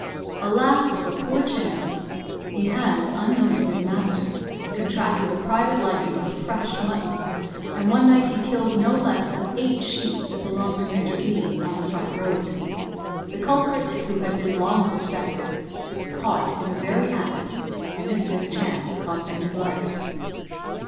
Alas, for poor Chance! he had, unknown to his master, contracted a private liking for fresh mutton, and one night he killed no less than eight sheep that belonged to Mr. D , on the front road; the culprit, who had been long suspected, was caught in the very act, and this mischance cost him his life.